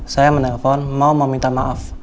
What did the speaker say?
saya menelpon mau meminta maaf